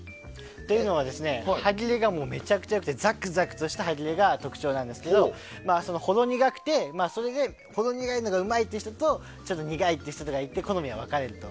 といいますのは歯切れがめちゃくちゃ良くてザクザクとした歯切れが特徴的なんですけどほろ苦くてほろ苦いのがうまいという人と苦いっていう人がいて好みは分かれると。